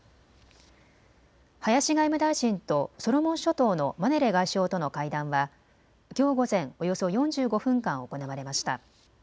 林外務大臣とソロモン諸島のマネレ外相との会談はきょう午前、およそ４５分間行われました。